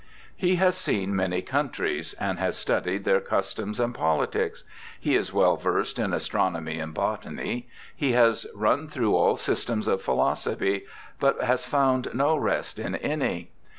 He has seen many countries, and has studied their customs and politics. He is well versed in astronomy and botany. He has run through all systems of philo sophy but has found no rest in any.